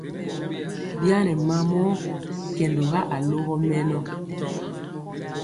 Bi a nɛ mamɔ kɛndɔga alogɔ mɛnɔ.